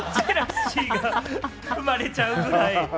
ジェラシーが生まれちゃうぐらい。